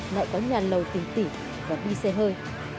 lại có nhà lầu tỉnh tỉ và đi xe hơi